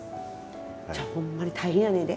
ほんまに大変やねんで。